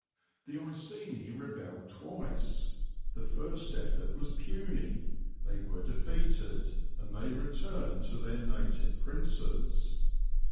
The Iceni rebelled twice. The first effort was puny; they were defeated, and they returned to their native princes.